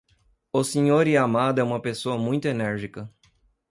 O Sr. Yamada é uma pessoa muito enérgica.